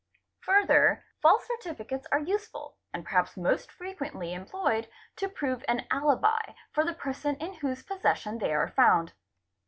} Further, false certificates are useful, and perhaps most frequently i employed, to prove an alibi for the person in whose possession they are ; found.